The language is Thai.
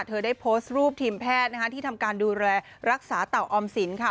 เธอได้โพสต์รูปทีมแพทย์ที่ทำการดูแลรักษาเต่าออมสินค่ะ